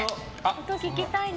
音、聞きたいな。